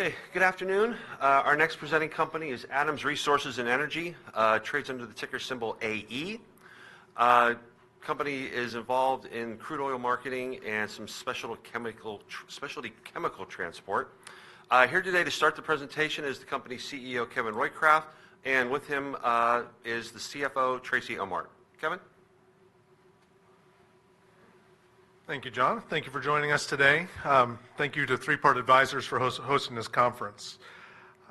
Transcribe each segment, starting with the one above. Okay, good afternoon. Our next presenting company is Adams Resources & Energy. It trades under the ticker symbol AE. Company is involved in crude oil marketing and some specialty chemical transport. Here today to start the presentation is the company's CEO, Kevin Roycraft, and with him is the CFO, Tracy Ohmart. Kevin? Thank you, John. Thank you for joining us today. Thank you to Three Part Advisors for hosting this conference.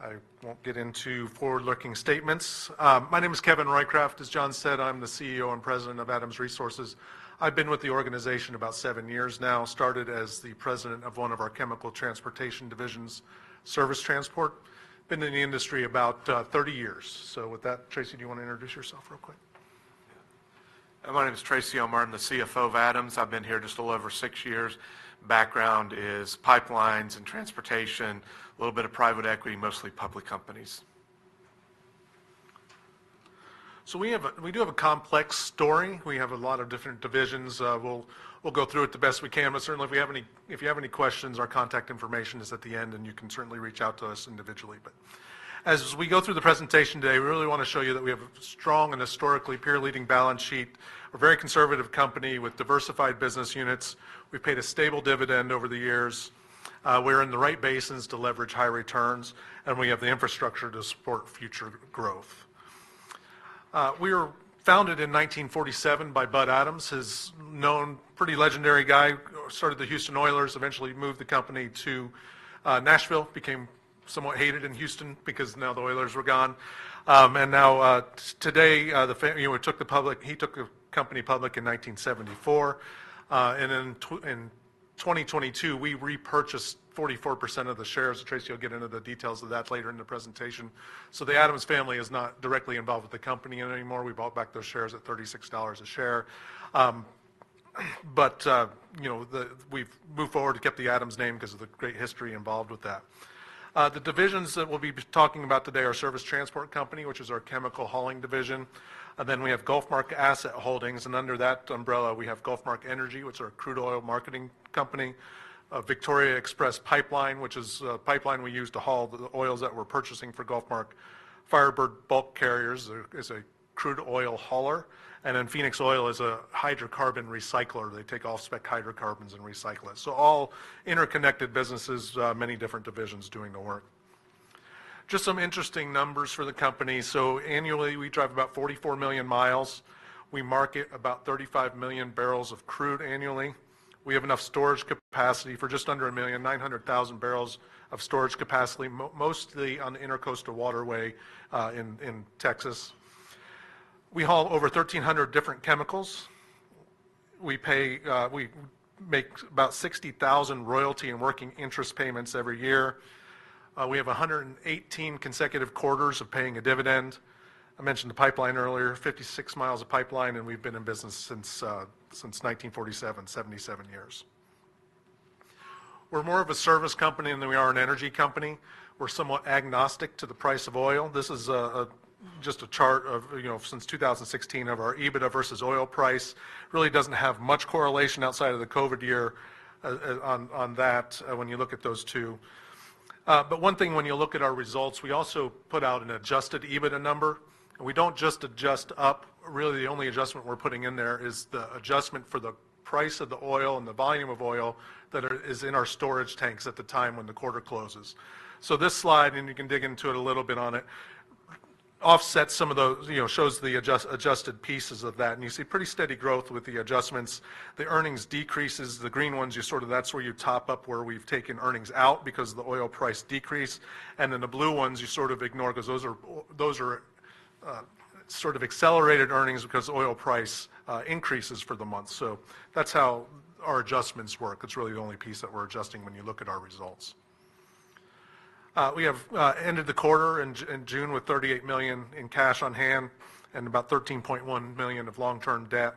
I won't get into forward-looking statements. My name is Kevin Roycraft. As John said, I'm the CEO and President of Adams Resources. I've been with the organization about seven years now, started as the president of one of our chemical transportation divisions, Service Transport. Been in the industry about thirty years. So with that, Tracy, do you wanna introduce yourself real quick? Yeah. My name is Tracy Ohmart. I'm the CFO of Adams. I've been here just a little over six years. Background is pipelines and transportation, a little bit of private equity, mostly public companies. So we have a complex story. We have a lot of different divisions. We'll go through it the best we can, but certainly, if you have any questions, our contact information is at the end, and you can certainly reach out to us individually. But as we go through the presentation today, we really wanna show you that we have a strong and historically peer-leading balance sheet. We're a very conservative company with diversified business units. We've paid a stable dividend over the years. We're in the right basins to leverage high returns, and we have the infrastructure to support future growth. We were founded in 1947 by Bud Adams. He's known... Pretty legendary guy, started the Houston Oilers, eventually moved the company to Nashville, became somewhat hated in Houston because now the Oilers were gone. Now, today, you know, he took the company public in 1974. In 2022, we repurchased 44% of the shares. Tracy will get into the details of that later in the presentation, so the Adams family is not directly involved with the company anymore. We bought back those shares at $36 a share, but you know, we've moved forward to get the Adams name because of the great history involved with that. The divisions that we'll be talking about today are Service Transport Company, which is our chemical hauling division, and then we have GulfMark Asset Holdings, and under that umbrella, we have GulfMark Energy, which is our crude oil marketing company. Victoria Express Pipeline, which is a pipeline we use to haul the oils that we're purchasing for GulfMark. Firebird Bulk Carriers is a crude oil hauler, and then Phoenix Oil is a hydrocarbon recycler. They take off-spec hydrocarbons and recycle it. All interconnected businesses, many different divisions doing the work. Just some interesting numbers for the company. Annually, we drive about 44 million miles. We market about 35 million barrels of crude annually. We have enough storage capacity for just under 1.9 million barrels of storage capacity, mostly on the Intracoastal Waterway, in Texas. We haul over 1,300 different chemicals. We pay, we make about 60,000 royalty and working interest payments every year. We have 118 consecutive quarters of paying a dividend. I mentioned the pipeline earlier, 56 miles of pipeline, and we've been in business since 1947, 77 years. We're more of a service company than we are an energy company. We're somewhat agnostic to the price of oil. This is just a chart of, you know, since 2016 of our EBITDA versus oil price. Really doesn't have much correlation outside of the COVID year, on that, when you look at those two, but one thing when you look at our results, we also put out an adjusted EBITDA number, and we don't just adjust up. Really, the only adjustment we're putting in there is the adjustment for the price of the oil and the volume of oil that is in our storage tanks at the time when the quarter closes. So this slide, and you can dig into it a little bit on it, offsets some of the, you know, shows the adjusted pieces of that, and you see pretty steady growth with the adjustments. The earnings decreases, the green ones, you sort of, that's where you top up, where we've taken earnings out because of the oil price decrease, and then the blue ones, you sort of ignore, 'cause those are sort of accelerated earnings because oil price increases for the month. So that's how our adjustments work. It's really the only piece that we're adjusting when you look at our results. We have ended the quarter in June with $38 million in cash on hand and about $13.1 million of long-term debt.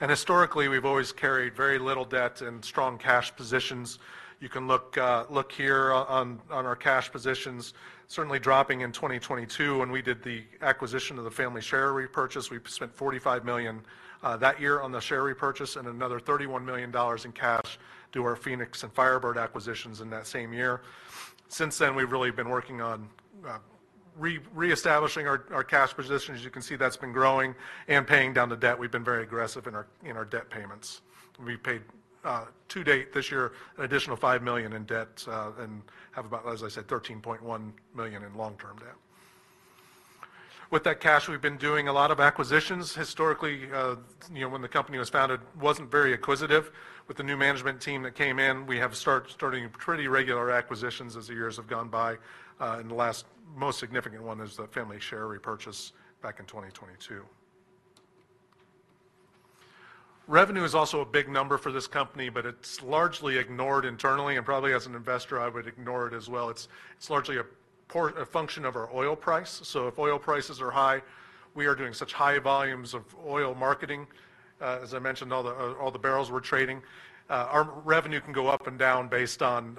Historically, we've always carried very little debt and strong cash positions. You can look here on our cash positions. Certainly dropping in 2022 when we did the acquisition of the family share repurchase. We spent $45 million that year on the share repurchase and another $31 million in cash to our Phoenix and Firebird acquisitions in that same year. Since then, we've really been working on reestablishing our cash position. As you can see, that's been growing and paying down the debt. We've been very aggressive in our debt payments. We paid, to date, this year, an additional $5 million in debt, and have about, as I said, $13.1 million in long-term debt. With that cash, we've been doing a lot of acquisitions. Historically, you know, when the company was founded, wasn't very acquisitive. With the new management team that came in, we have starting pretty regular acquisitions as the years have gone by, and the last most significant one is the family share repurchase back in 2022. Revenue is also a big number for this company, but it's largely ignored internally, and probably as an investor, I would ignore it as well. It's largely a function of our oil price. So if oil prices are high, we are doing such high volumes of oil marketing, as I mentioned, all the barrels we're trading. Our revenue can go up and down based on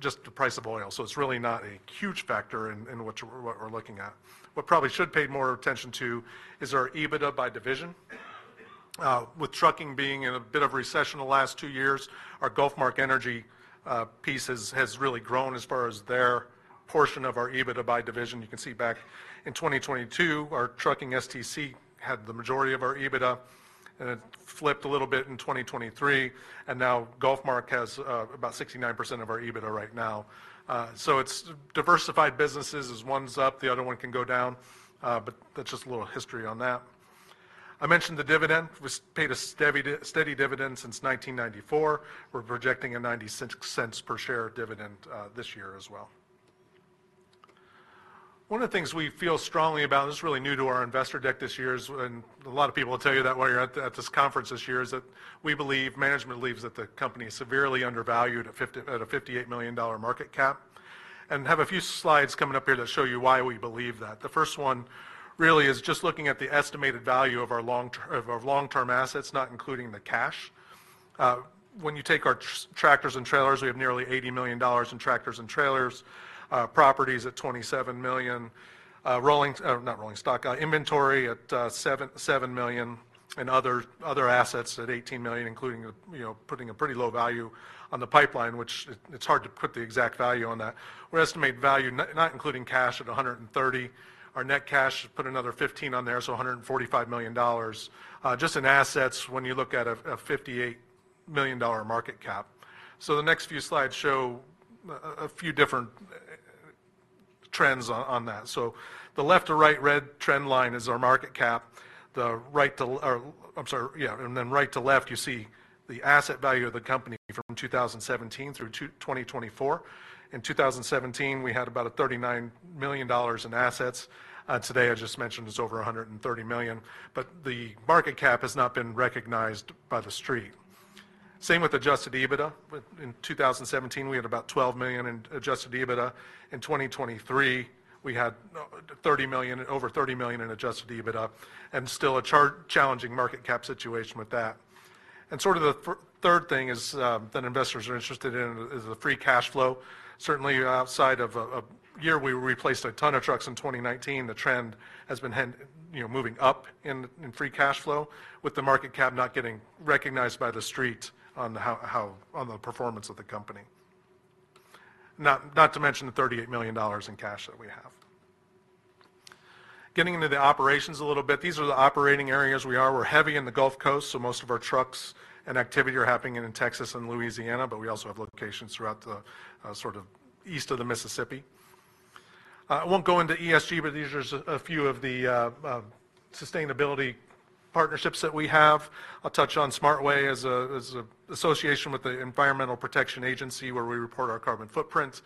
just the price of oil, so it's really not a huge factor in what we're looking at. What probably should pay more attention to is our EBITDA by division. With trucking being in a bit of recession the last two years, our GulfMark Energy piece has really grown as far as their portion of our EBITDA by division. You can see back in 2022, our trucking STC had the majority of our EBITDA, and it flipped a little bit in 2023, and now GulfMark has about 69% of our EBITDA right now. So it's diversified businesses. As one's up, the other one can go down, but that's just a little history on that. I mentioned the dividend. We've paid a steady dividend since 1994. We're projecting a $0.90 per share dividend this year as well. One of the things we feel strongly about, and this is really new to our investor deck this year, is, and a lot of people will tell you that while you're at this conference this year, is that we believe, management believes, that the company is severely undervalued at a $58 million market cap, and have a few slides coming up here to show you why we believe that. The first one really is just looking at the estimated value of our long-term assets, not including the cash. When you take our tractors and trailers, we have nearly $80 million in tractors and trailers. Properties at $27 million, rolling stock inventory at $7 million, and other assets at $18 million, including, you know, putting a pretty low value on the pipeline, which it's hard to put the exact value on that. We estimate value, not including cash, at $130 million. Our net cash, put another $15 million on there, so $145 million just in assets when you look at a $58 million market cap. The next few slides show a few different trends on that. The left to right red trend line is our market cap. The right to left, or I'm sorry, yeah, and then right to left, you see the asset value of the company from 2017 through 2024. In 2017, we had about $39 million in assets. Today, I just mentioned it's over $130 million, but the market cap has not been recognized by the street. Same with adjusted EBITDA. In 2017, we had about $12 million in adjusted EBITDA. In 2023, we had thirty million, over $30 million in adjusted EBITDA, and still a challenging market cap situation with that. And sort of the third thing is that investors are interested in is the free cash flow. Certainly outside of a year, we replaced a ton of trucks in 2019. The trend has been, you know, moving up in free cash flow, with the market cap not getting recognized by the street on the how, on the performance of the company. Not to mention the $38 million in cash that we have. Getting into the operations a little bit, these are the operating areas we are. We're heavy in the Gulf Coast, so most of our trucks and activity are happening in Texas and Louisiana, but we also have locations throughout the sort of east of the Mississippi. I won't go into ESG, but these are a few of the sustainability partnerships that we have. I'll touch on SmartWay as an association with the Environmental Protection Agency, where we report our carbon footprints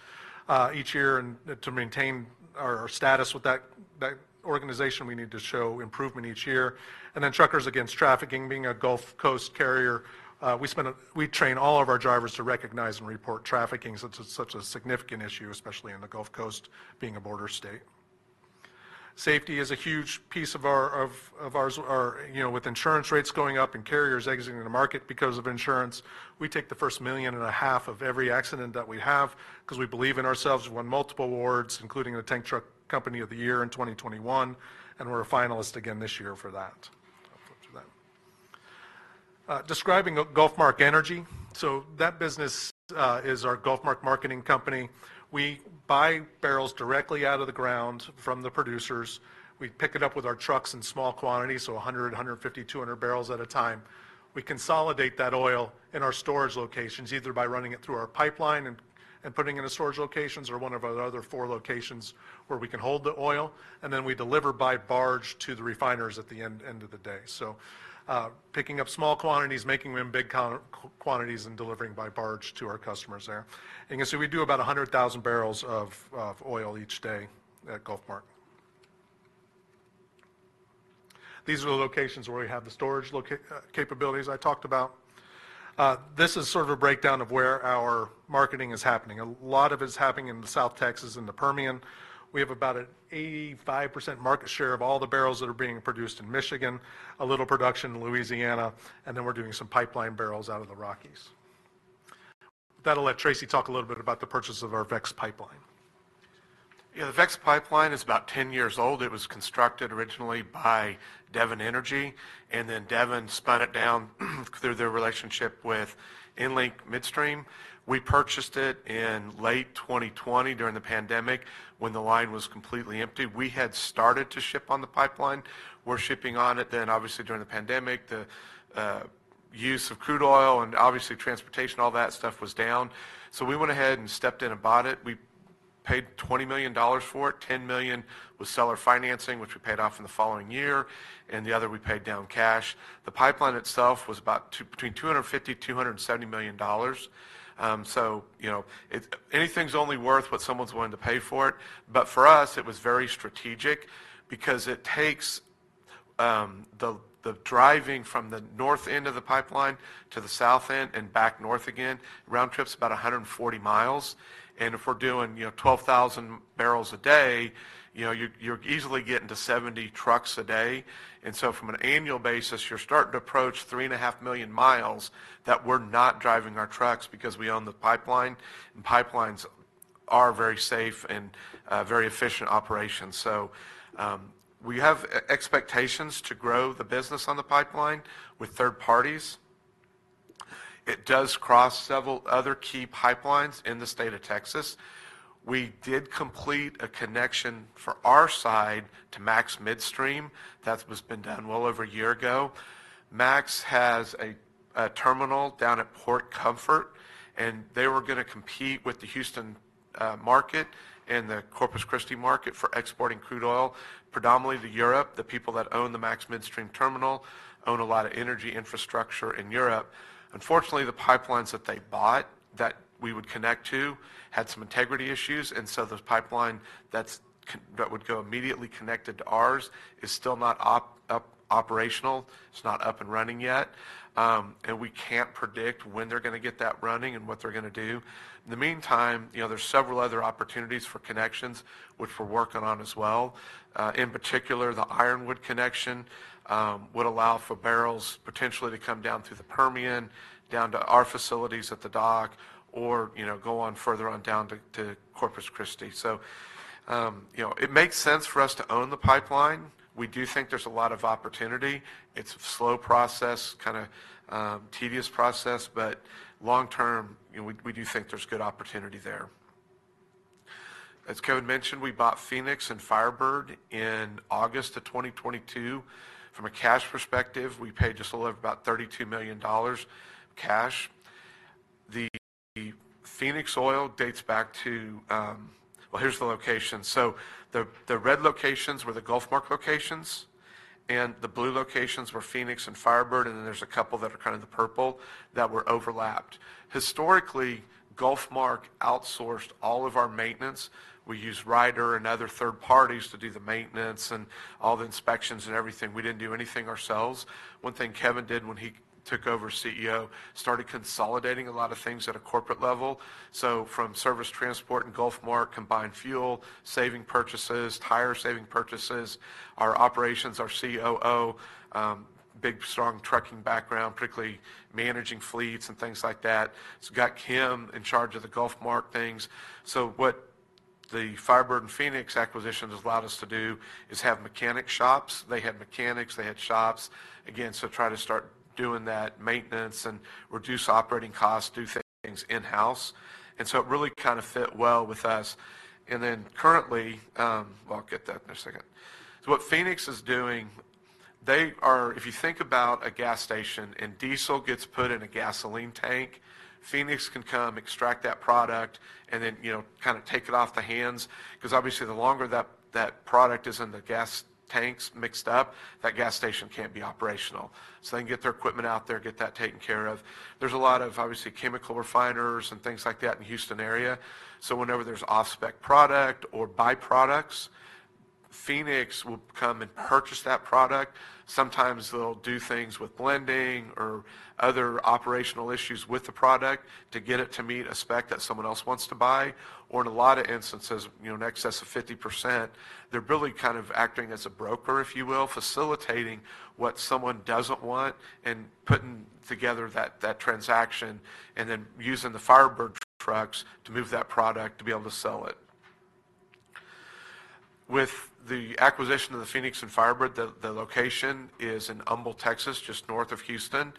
each year. To maintain our status with that organization, we need to show improvement each year. Then Truckers Against Trafficking, being a Gulf Coast carrier, we train all of our drivers to recognize and report trafficking, since it's such a significant issue, especially in the Gulf Coast, being a border state. Safety is a huge piece of ours. You know, with insurance rates going up and carriers exiting the market because of insurance, we take the first $1.5 million of every accident that we have, 'cause we believe in ourselves. We won multiple awards, including the Tank Truck Company of the Year in 2021, and we're a finalist again this year for that. I'll flip through that. Describing GulfMark Energy, so that business is our GulfMark marketing company. We buy barrels directly out of the ground from the producers. We pick it up with our trucks in small quantities, so a hundred, hundred and fifty, two hundred barrels at a time. We consolidate that oil in our storage locations, either by running it through our pipeline and putting it in storage locations or one of our other four locations, where we can hold the oil, and then we deliver by barge to the refiners at the end of the day. So, picking up small quantities, making them big co-quantities, and delivering by barge to our customers there. And you can see, we do about a hundred thousand barrels of oil each day at GulfMark. These are the locations where we have the storage capabilities I talked about. This is sort of a breakdown of where our marketing is happening. A lot of it is happening in the South Texas and the Permian. We have about an 85% market share of all the barrels that are being produced in Michigan, a little production in Louisiana, and then we're doing some pipeline barrels out of the Rockies. That'll let Tracy talk a little bit about the purchase of our VEX Pipeline. Yeah, the VEX Pipeline is about ten years old. It was constructed originally by Devon Energy, and then Devon spun it down through their relationship with EnLink Midstream. We purchased it in late 2020, during the pandemic, when the line was completely empty. We had started to ship on the pipeline. We're shipping on it, then obviously, during the pandemic, the use of crude oil and obviously transportation, all that stuff was down. So we went ahead and stepped in and bought it. We paid $20 million for it. $10 million was seller financing, which we paid off in the following year, and the other we paid down cash. The pipeline itself was about between $250 million - $270 million. So, you know, it's anything's only worth what someone's willing to pay for it, but for us, it was very strategic, because it takes the driving from the north end of the pipeline to the south end and back north again. Round trip's about 140 miles. And if we're doing, you know, 12,000 barrels a day, you know, you're easily getting to 70 trucks a day. And so from an annual basis, you're starting to approach 3.5 million miles that we're not driving our trucks, because we own the pipeline, and pipelines are very safe and very efficient operations. So, we have expectations to grow the business on the pipeline with third parties. It does cross several other key pipelines in the state of Texas. We did complete a connection for our side to MAX Midstream. That's what's been done well over a year ago. MAX has a terminal down at Port Comfort, and they were gonna compete with the Houston market and the Corpus Christi market for exporting crude oil, predominantly to Europe. The people that own the MAX Midstream terminal own a lot of energy infrastructure in Europe. Unfortunately, the pipelines that they bought, that we would connect to, had some integrity issues, and so those pipelines that would connect immediately to ours is still not operational. It's not up and running yet. And we can't predict when they're gonna get that running and what they're gonna do. In the meantime, you know, there's several other opportunities for connections, which we're working on as well. In particular, the Ironwood connection would allow for barrels potentially to come down through the Permian, down to our facilities at the dock, or, you know, go on further on down to Corpus Christi. So, you know, it makes sense for us to own the pipeline. We do think there's a lot of opportunity. It's a slow process, kinda, tedious process, but long term, you know, we do think there's good opportunity there. As Kevin mentioned, we bought Phoenix and Firebird in August of 2022. From a cash perspective, we paid just a little over about $32 million cash. The Phoenix Oil dates back to... Well, here's the location. So the red locations were the GulfMark locations, and the blue locations were Phoenix and Firebird, and then there's a couple that are kind of the purple that were overlapped. Historically, GulfMark outsourced all of our maintenance. We used Ryder and other third parties to do the maintenance and all the inspections and everything. We didn't do anything ourselves. One thing Kevin did when he took over as CEO, started consolidating a lot of things at a corporate level, so from Service Transport and GulfMark, combined fuel-saving purchases, tire-saving purchases, our operations, our COO, big, strong trucking background, particularly managing fleets and things like that, so got Kim in charge of the GulfMark things, so what the Firebird and Phoenix acquisitions has allowed us to do is have mechanic shops. They had mechanics, they had shops. Again, so try to start doing that maintenance and reduce operating costs, do things in-house, and so it really kind of fit well with us, and then currently, well, I'll get to that in a second. So what Phoenix is doing, they are. If you think about a gas station and diesel gets put in a gasoline tank, Phoenix can come extract that product and then, you know, kind of take it off the hands, 'cause obviously, the longer that product is in the gas tanks mixed up, that gas station can't be operational. So they can get their equipment out there, get that taken care of. There's a lot of, obviously, chemical refiners and things like that in the Houston area, so whenever there's off-spec product or byproducts, Phoenix will come and purchase that product. Sometimes they'll do things with blending or other operational issues with the product to get it to meet a spec that someone else wants to buy, or in a lot of instances, you know, in excess of 50%, they're really kind of acting as a broker, if you will. Facilitating what someone doesn't want and putting together that transaction, and then using the Firebird trucks to move that product to be able to sell it. With the acquisition of the Phoenix and Firebird, the location is in Humble, Texas, just north of Houston,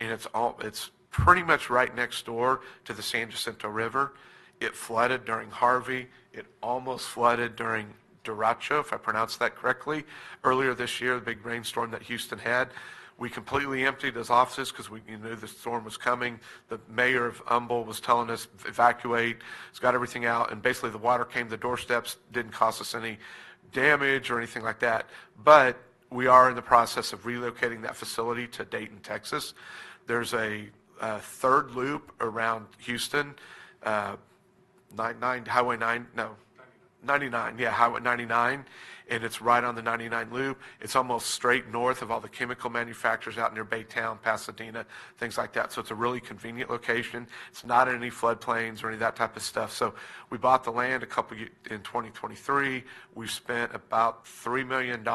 and it's all... It's pretty much right next door to the San Jacinto River. It flooded during Harvey. It almost flooded during Derecho, if I pronounced that correctly. Earlier this year, the big rainstorm that Houston had, we completely emptied those offices 'cause we knew the storm was coming. The mayor of Humble was telling us, "Evacuate. Just get everything out," and basically, the water came to the doorsteps. Didn't cause us any damage or anything like that, but we are in the process of relocating that facility to Dayton, Texas. There's a third loop around Houston, 99, Highway 99—no— Ninety-nine. 99. Yeah, Highway 99, and it's right on the 99 loop. It's almost straight north of all the chemical manufacturers out near Baytown, Pasadena, things like that. So it's a really convenient location. It's not in any flood plains or any of that type of stuff. So we bought the land a couple years, in 2023. We've spent about $3 million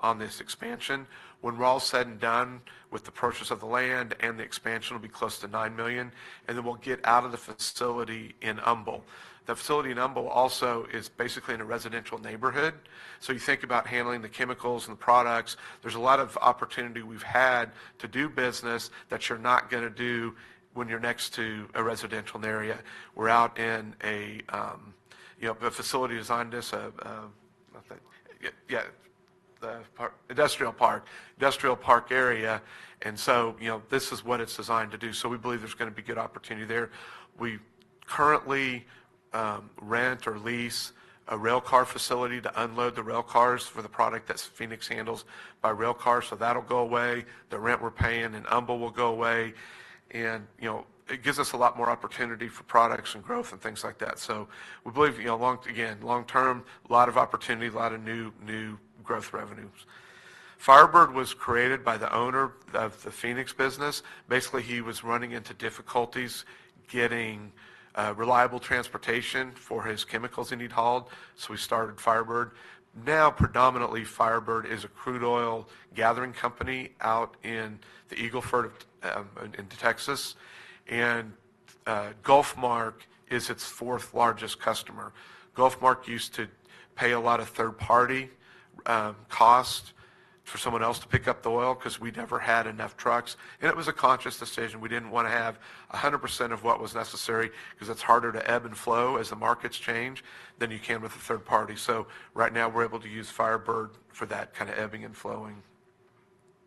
on this expansion. When we're all said and done with the purchase of the land and the expansion, it'll be close to $9 million, and then we'll get out of the facility in Humble. The facility in Humble also is basically in a residential neighborhood, so you think about handling the chemicals and the products. There's a lot of opportunity we've had to do business that you're not gonna do when you're next to a residential area. We're out in a, you know... The facility is on this. I think the park, industrial park area, and so, you know, this is what it's designed to do. So we believe there's gonna be good opportunity there. We currently rent or lease a railcar facility to unload the railcars for the product that Phoenix handles by railcar, so that'll go away. The rent we're paying in Humble will go away, and, you know, it gives us a lot more opportunity for products and growth and things like that. So we believe, you know, long, again, long-term, a lot of opportunity, a lot of new growth revenues. Firebird was created by the owner of the Phoenix business. Basically, he was running into difficulties getting reliable transportation for his chemicals he needed hauled, so we started Firebird. Now, predominantly, Firebird is a crude oil gathering company out in the Eagle Ford, in Texas, and GulfMark is its fourth-largest customer. GulfMark used to pay a lot of third-party costs for someone else to pick up the oil, 'cause we never had enough trucks, and it was a conscious decision. We didn't wanna have 100% of what was necessary, 'cause it's harder to ebb and flow as the markets change, than you can with a third party. So right now, we're able to use Firebird for that kind of ebbing and flowing.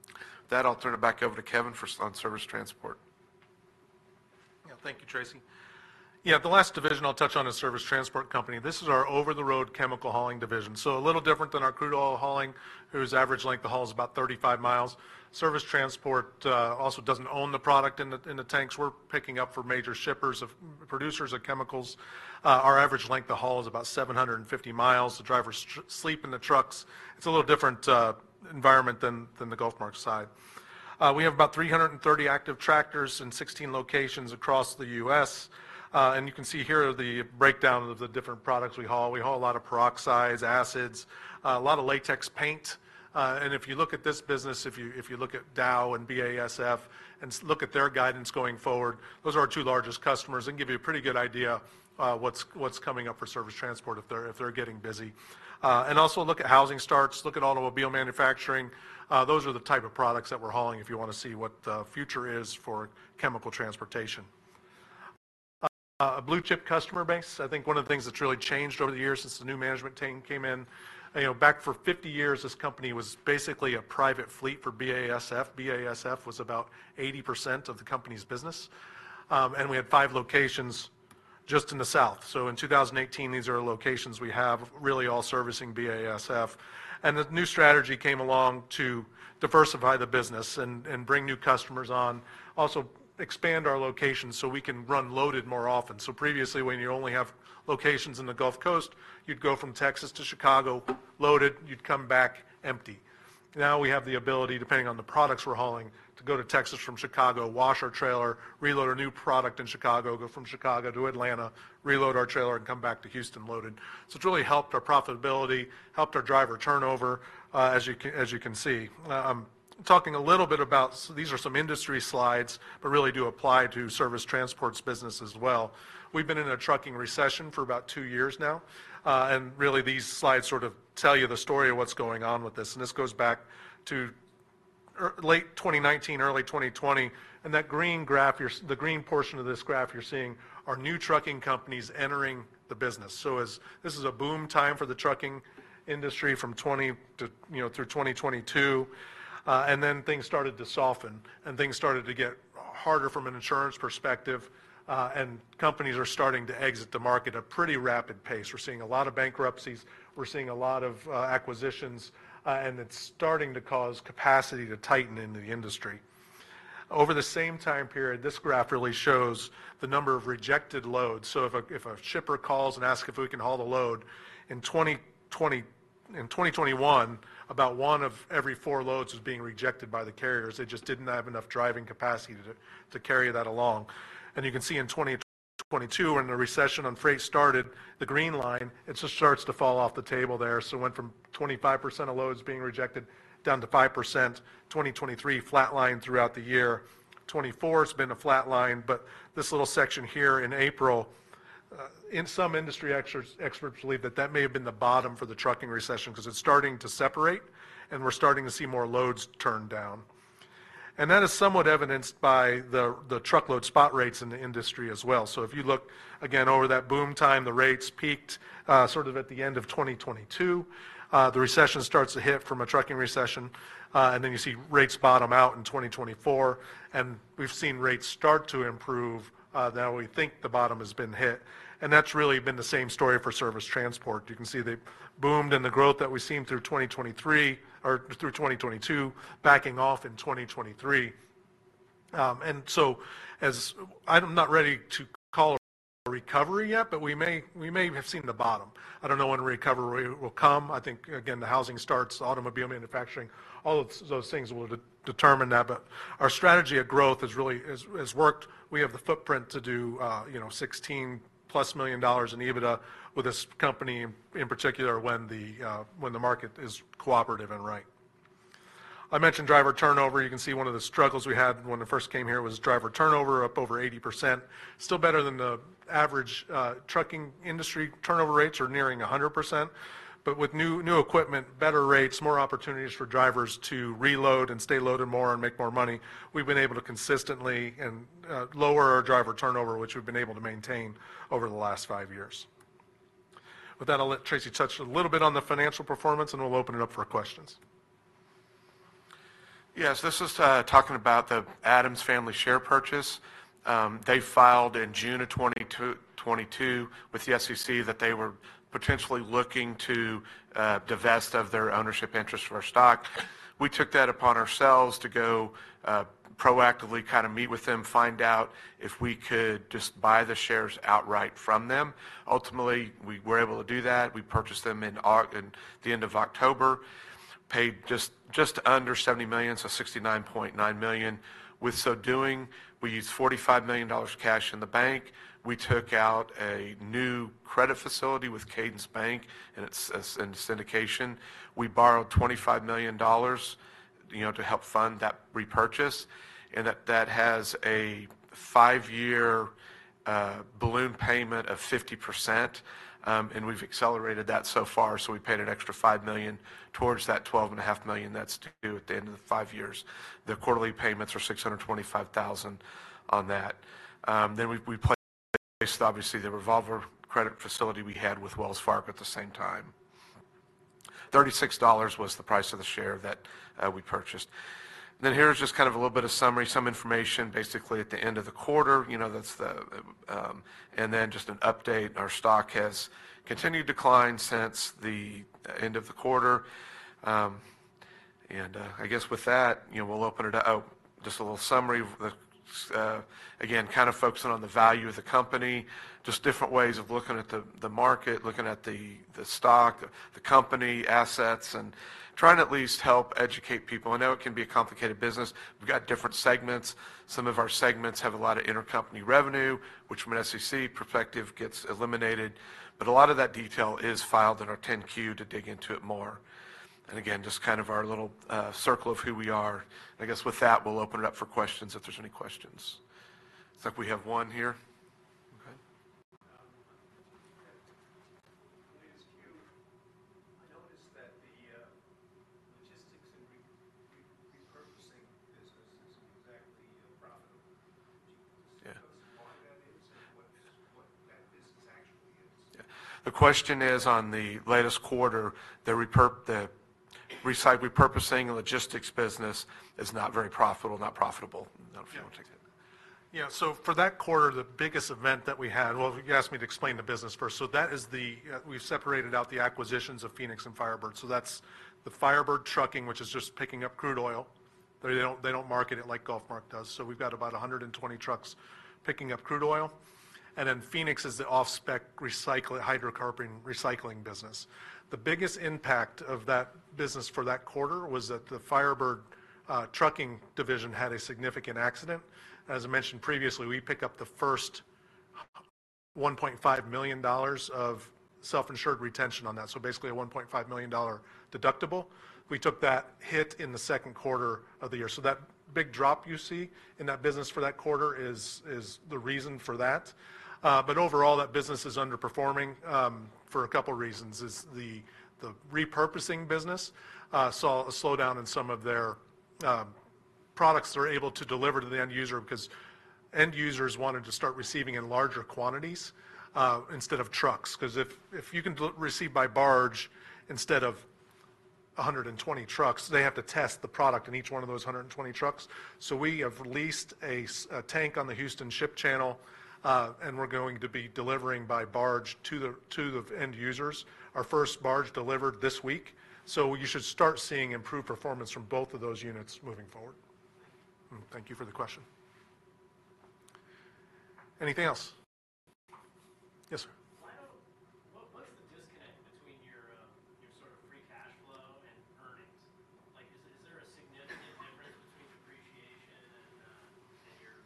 With that, I'll turn it back over to Kevin on Service Transport. Yeah, thank you, Tracy. Yeah, the last division I'll touch on is Service Transport Company. This is our over-the-road chemical hauling division. So a little different than our crude oil hauling, whose average length of haul is about 35 miles. Service Transport also doesn't own the product in the tanks, we're picking up for major shippers producers of chemicals. Our average length of haul is about 750 miles. The drivers sleep in the trucks. It's a little different environment than the GulfMark side. We have about 330 active tractors in 16 locations across the U.S. And you can see here, the breakdown of the different products we haul. We haul a lot of peroxides, acids, a lot of latex paint. And if you look at this business, if you look at Dow and BASF, and look at their guidance going forward, those are our two largest customers, and give you a pretty good idea what's coming up for service transport, if they're getting busy. And also, look at housing starts, look at automobile manufacturing. Those are the type of products that we're hauling, if you wanna see what the future is for chemical transportation. A blue-chip customer base, I think one of the things that's really changed over the years since the new management team came in. You know, back for 50 years, this company was basically a private fleet for BASF. BASF was about 80% of the company's business. And we had five locations just in the South. So in 2018, these are locations we have, really all servicing BASF. And the new strategy came along to diversify the business and bring new customers on. Also, expand our locations, so we can run loaded more often. So previously, when you only have locations in the Gulf Coast, you'd go from Texas to Chicago, loaded, you'd come back empty. Now, we have the ability, depending on the products we're hauling, to go to Texas from Chicago, wash our trailer, reload a new product in Chicago, go from Chicago to Atlanta, reload our trailer, and come back to Houston loaded. So it's really helped our profitability, helped our driver turnover, as you can see. Talking a little bit about these are some industry slides, but really do apply to Service Transport's business as well. We've been in a trucking recession for about two years now, and really, these slides sort of tell you the story of what's going on with this, and this goes back to late 2019, early 2020, and that green graph you're seeing, the green portion of this graph you're seeing, are new trucking companies entering the business, so as this is a boom time for the trucking industry, from 2020 to, you know, through 2022, and then things started to soften, and things started to get harder from an insurance perspective, and companies are starting to exit the market at a pretty rapid pace. We're seeing a lot of bankruptcies, we're seeing a lot of acquisitions, and it's starting to cause capacity to tighten in the industry. Over the same time period, this graph really shows the number of rejected loads. So if a shipper calls and asks if we can haul the load, in 2020 in 2021, about one of every four loads was being rejected by the carriers. They just didn't have enough driving capacity to carry that along. You can see in 2022, when the recession on freight started, the green line; it just starts to fall off the table there. It went from 25% of loads being rejected, down to 5%, 2023, flatline throughout the year. 2024 has been a flatline, but this little section here in April, some industry experts believe that that may have been the bottom for the trucking recession, 'cause it's starting to separate, and we're starting to see more loads turned down. That is somewhat evidenced by the truckload spot rates in the industry as well. So if you look again over that boom time, the rates peaked sort of at the end of 2022. The recession starts to hit from a trucking recession, and then you see rates bottom out in 2024, and we've seen rates start to improve. Now we think the bottom has been hit, and that's really been the same story for Service Transport. You can see they boomed, and the growth that we've seen through 2023, or through 2022, backing off in 2023. And so I'm not ready to call a recovery yet, but we may have seen the bottom. I don't know when recovery will come. I think, again, the housing starts, automobile manufacturing, all of those things will determine that, but our strategy at growth has really worked. We have the footprint to do, you know, $16-plus million in EBITDA with this company, in particular, when the market is cooperative and right. I mentioned driver turnover. You can see one of the struggles we had when I first came here was driver turnover, up over 80%, still better than the average. Trucking industry turnover rates are nearing 100%, but with new equipment, better rates, more opportunities for drivers to reload and stay loaded more and make more money, we've been able to consistently and lower our driver turnover, which we've been able to maintain over the last five years. With that, I'll let Tracy touch a little bit on the financial performance, and we'll open it up for questions. Yes, this is talking about the Adams Family share purchase. They filed in June of 2022, with the SEC, that they were potentially looking to divest of their ownership interest for our stock. We took that upon ourselves to go proactively, kind of meet with them, find out if we could just buy the shares outright from them. Ultimately, we were able to do that. We purchased them in the end of October, paid just under $70 million, so $69.9 million. With so doing, we used $45 million cash in the bank. We took out a new credit facility with Cadence Bank, and it's in syndication. We borrowed $25 million, you know, to help fund that repurchase, and that has a 5-year balloon payment of 50%. And we've accelerated that so far, so we paid an extra $5 million towards that $12.5 million that's due at the end of the five years. The quarterly payments are $625,000 on that. Then we placed, obviously, the revolver credit facility we had with Wells Fargo at the same time. $36 was the price of the share that we purchased. Then here's just kind of a little bit of summary, some information basically at the end of the quarter. You know, that's the. And then just an update, our stock has continued to decline since the end of the quarter. And I guess with that, you know, we'll open it up. Oh, just a little summary of the, again, kind of focusing on the value of the company. Just different ways of looking at the market, looking at the stock, the company assets, and trying to at least help educate people. I know it can be a complicated business. We've got different segments. Some of our segments have a lot of intercompany revenue, which from an SEC perspective, gets eliminated. But a lot of that detail is filed in our 10-Q to dig into it more. And again, just kind of our little circle of who we are. And I guess with that, we'll open it up for questions if there's any questions. Looks like we have one here. Okay. In the last Q, I noticed that the logistics and repurchasing business isn't exactly, you know, profitable. Yeah. Do you know why that is, and what that business actually is? Yeah. The question is, on the latest quarter, the repur- the recycle, repurposing and logistics business is not very profitable, not profitable. I don't know if you wanna take it. Yeah. So for that quarter, the biggest event that we had... Well, you asked me to explain the business first. So that is the, we've separated out the acquisitions of Phoenix and Firebird. So that's the Firebird trucking, which is just picking up crude oil. They don't, they don't market it like GulfMark does, so we've got about a hundred and twenty trucks picking up crude oil. And then Phoenix is the off-spec hydrocarbon recycling business. The biggest impact of that business for that quarter was that the Firebird trucking division had a significant accident. As I mentioned previously, we pick up the first $1.5 million of self-insured retention on that, so basically a $1.5 million deductible. We took that hit in the second quarter of the year. That big drop you see in that business for that quarter is the reason for that. But overall, that business is underperforming for a couple reasons. The repurposing business saw a slowdown in some of their products they're able to deliver to the end user, because end users wanted to start receiving in larger quantities instead of trucks. 'Cause if you can receive by barge instead of 120 trucks, they have to test the product in each one of those 120 trucks. We have leased a tank on the Houston Ship Channel, and we're going to be delivering by barge to the end users. Our first barge delivered this week, so you should start seeing improved performance from both of those units moving forward. Thank you for the question. Anything else? Yes, sir. What is the disconnect between your sort of free cash flow and earnings? Like, is there a significant difference between depreciation and your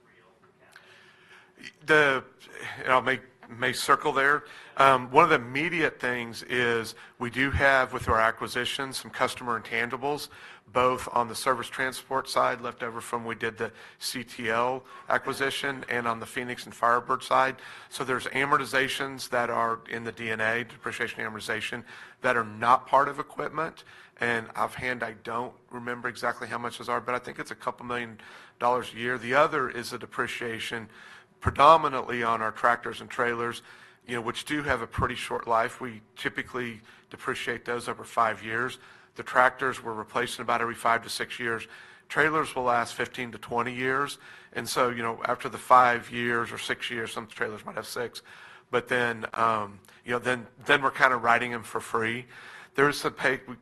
real capital? I'll make my circle there. One of the immediate things is, we do have, with our acquisitions, some customer intangibles, both on the Service Transport side, left over from when we did the CTL acquisition, and on the Phoenix and Firebird side. So there's amortizations that are in the D&A, depreciation and amortization, that are not part of equipment. And offhand, I don't remember exactly how much those are, but I think it's a couple million dollars a year. The other is the depreciation predominantly on our tractors and trailers, you know, which do have a pretty short life. We typically depreciate those over five years. The tractors, we're replacing about every five to six years. Trailers will last 15-20 years, and so, you know, after the 5 years or 6 years, some trailers might have 6, but then, you know, then, then we're kind of riding them for free. There's some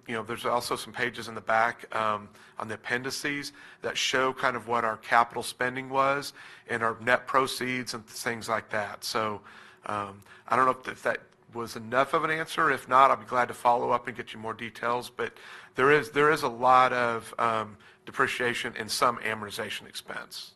you know, there's also some pages in the back, on the appendices that show kind of what our capital spending was and our net proceeds and things like that. So, I don't know if that, that was enough of an answer. If not, I'd be glad to follow up and get you more details, but there is, there is a lot of, depreciation and some amortization expense.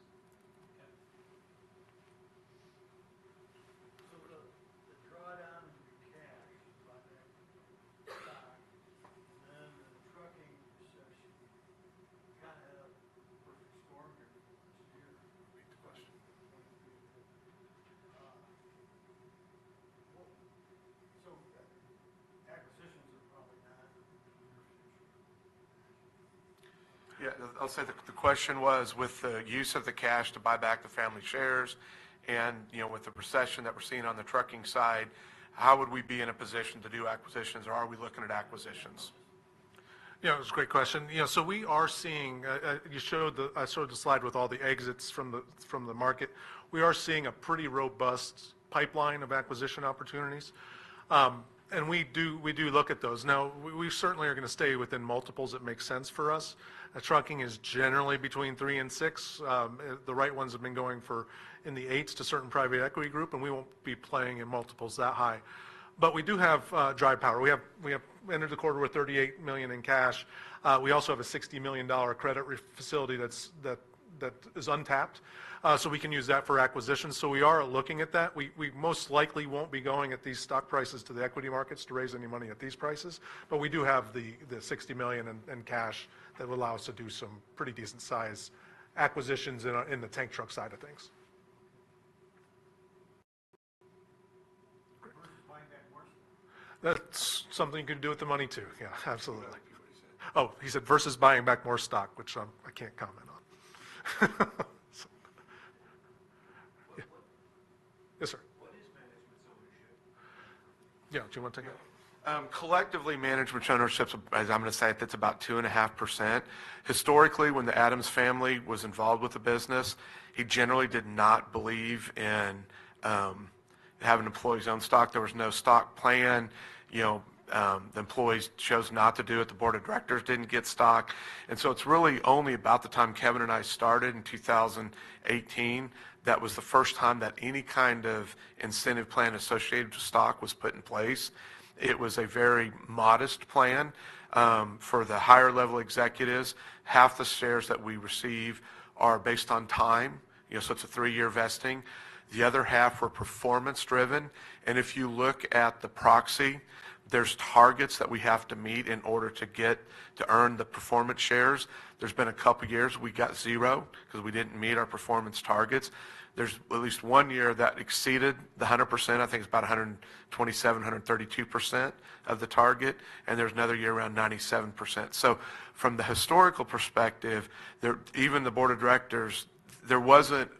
Yeah. So the drawdown in your cash by that, and then the trucking section, kind of a perfect storm here this year. Repeat the question. Acquisitions are probably not an option. Yeah. I'll say that the question was: With the use of the cash to buy back the family shares and, you know, with the recession that we're seeing on the trucking side, how would we be in a position to do acquisitions, or are we looking at acquisitions? Yeah, it was a great question. You know, so we are seeing. I showed the slide with all the exits from the market. We are seeing a pretty robust pipeline of acquisition opportunities. And we do look at those. Now, we certainly are gonna stay within multiples that make sense for us. Trucking is generally between three and six. The right ones have been going for in the eights to certain private equity group, and we won't be playing in multiples that high. But we do have dry powder. We have entered the quarter with $38 million in cash. We also have a $60 million credit facility that's untapped, so we can use that for acquisitions. So we are looking at that. We most likely won't be going at these stock prices to the equity markets to raise any money at these prices, but we do have the $60 million in cash that will allow us to do some pretty decent-sized acquisitions in our tank truck side of things.... Versus buying back more stock? That's something you can do with the money, too. Yeah, absolutely. Like he said. Oh, he said, "Versus buying back more stock," which, I can't comment on. So... Yes, sir? What is management's ownership? Yeah, do you wanna take that? Collectively, management's ownership's, as I'm gonna say it, it's about 2.5%. Historically, when the Adams family was involved with the business, he generally did not believe in having employees own stock. There was no stock plan, you know, the employees chose not to do it, the board of directors didn't get stock. And so it's really only about the time Kevin and I started in 2018, that was the first time that any kind of incentive plan associated with stock was put in place. It was a very modest plan. For the higher level executives, half the shares that we receive are based on time, you know, so it's a three-year vesting. The other half are performance driven, and if you look at the proxy, there's targets that we have to meet in order to get to earn the performance shares. There's been a couple years we got zero, 'cause we didn't meet our performance targets. There's at least one year that exceeded the 100%, I think it's about 127%-132% of the target, and there's another year around 97%. So from the historical perspective, there... Even the board of directors, there wasn't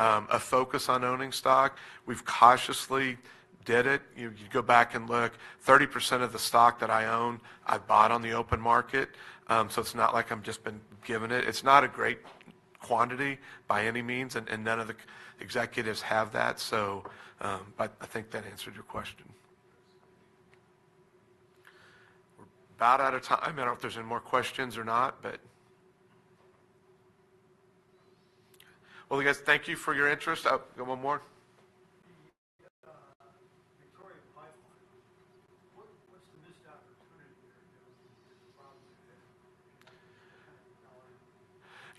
a focus on owning stock. We've cautiously did it. You go back and look, 30% of the stock that I own, I bought on the open market. So it's not like I've just been given it. It's not a great quantity by any means, and none of the executives have that, so... But I think that answered your question. We're about out of time. I don't know if there's any more questions or not, but... Well, you guys, thank you for your interest. Oh,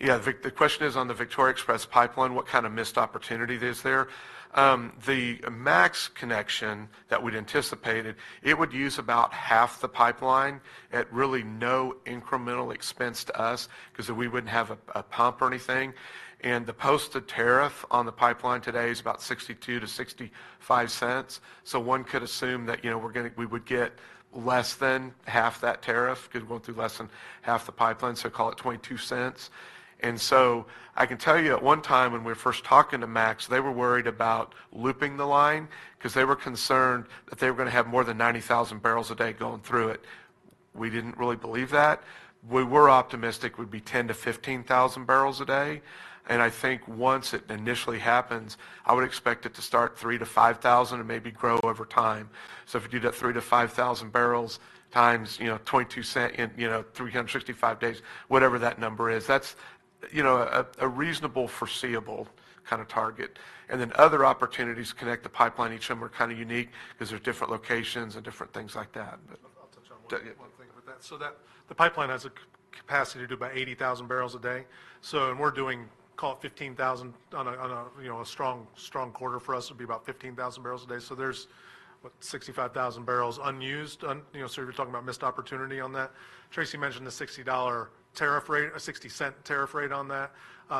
got one more. The Victoria pipeline, what's the missed opportunity there, you know, the problem today? Yeah, the question is on the Victoria Express Pipeline, what kind of missed opportunity is there? The MAX connection that we'd anticipated, it would use about half the pipeline, at really no incremental expense to us, 'cause we wouldn't have a pump or anything, and the posted tariff on the pipeline today is about $0.62-$0.65. So one could assume that, you know, we're gonna... We would get less than half that tariff, 'cause we're going through less than half the pipeline, so call it $0.22. And so I can tell you, at one time when we were first talking to MAX, they were worried about looping the line, 'cause they were concerned that they were gonna have more than 90,000 barrels a day going through it. We didn't really believe that. We were optimistic would be 10,000-15,000 barrels a day, and I think once it initially happens, I would expect it to start 3-5,000, and maybe grow over time. So if you do that 3-5,000 barrels times, you know, $0.22 and, you know, 365 days, whatever that number is, that's, you know, a reasonable, foreseeable kind of target. And then other opportunities to connect the pipeline, each of them are kind of unique, 'cause they're different locations and different things like that. But- I'll touch on one- Yeah... one thing about that. So that, the pipeline has a capacity to do about 80,000 barrels a day. So and we're doing, call it 15,000 on a, you know, a strong quarter for us would be about 15,000 barrels a day. So there's what, 65,000 barrels unused, you know, so you're talking about missed opportunity on that. Tracy mentioned the $0.60 tariff rate, a 60 cent tariff rate on that.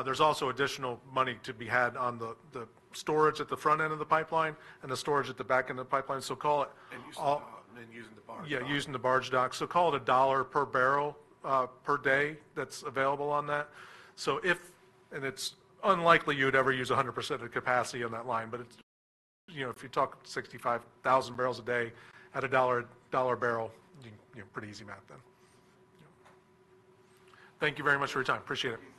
There's also additional money to be had on the, the storage at the front end of the pipeline, and the storage at the back end of the pipeline. So call it- Using the barge. All- Using the barge dock. Yeah, using the barge dock. So call it $1 per barrel, per day, that's available on that. So if... And it's unlikely you'd ever use 100% of the capacity on that line, but it's, you know, if you talk 65,000 barrels a day at $1, $1 a barrel, you know, pretty easy math then. Yeah. Thank you very much for your time. Appreciate it.